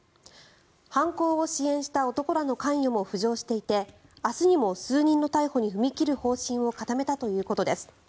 犯行を支援した男らの関与も浮上していて明日にも数人の逮捕に踏み切る方針を固めたということです。